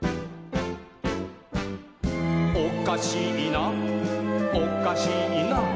「おかしいなおかしいな」